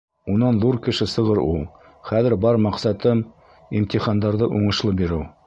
Унан ҙур кеше сығыр ул. Хәҙер бар маҡсатым — имтихандарҙы уңышлы биреү.